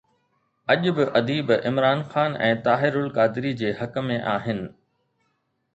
اڄ به اديب عمران خان ۽ طاهر القادري جي حق ۾ آهن.